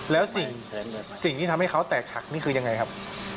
แล้วสิ่งที่ทำให้เขาแตกหักนี่คือยังไงครับ